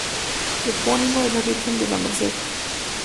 Epónimo de la Virgen de la Merced.